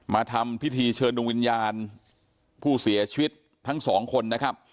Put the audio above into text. มาทำพิธีเชิญดวงวิญญาณผู้เสียชีวิตทั้งสองคนนะครับ